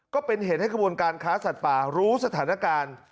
ก็เป็นเหตุให้กระบวนการค้าสัตว์ป่ารู้สถานการณ์